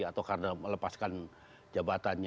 atau karena melepaskan jabatan